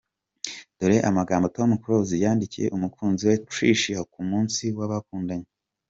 Dore amagambo Tom Close yandikiye umukunzi we Tricia ku munsi w'abakundanye.